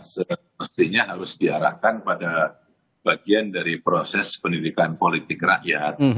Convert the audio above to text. semestinya harus diarahkan pada bagian dari proses pendidikan politik rakyat